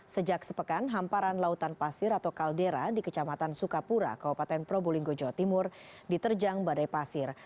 sejak sepekan hamparan lautan pasir atau kaldera di kecamatan sukapura kabupaten probolinggo jawa timur diterjang badai pasir